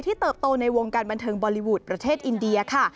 เติบโตในวงการบันเทิงบอลลีวูดประเทศอินเดียค่ะ